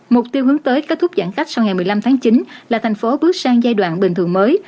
mục tiêu hướng tới kết thúc giãn cách sau ngày một mươi năm tháng chín là thành phố bước sang giai đoạn bình thường mới